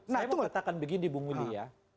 saya mau katakan begini bung budi ya